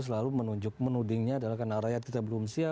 selalu menudingnya adalah karena rakyat kita belum siap